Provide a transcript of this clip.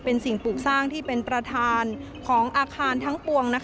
เป็นสิ่งปลูกสร้างที่เป็นประธานของอาคารทั้งปวง